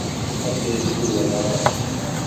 اسين اسڪول ونياتان